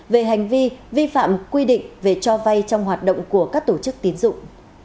về hành vi vi phạm quy định về cho vay trong hoạt động của các tổ chức tín dụng